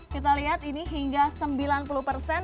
kita lihat ini hingga sembilan puluh persen